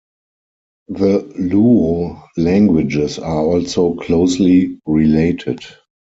The Luo languages are also closely related.